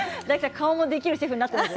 顔もできるシェフになっています。